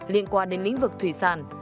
liên quan đến lĩnh vực thủy sản